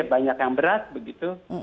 banyak yang berat begitu